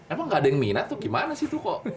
emang gak ada yang minat tuh gimana sih tuh kok